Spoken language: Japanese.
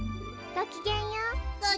ごきげんよう。